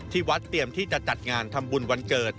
วัดเตรียมที่จะจัดงานทำบุญวันเกิด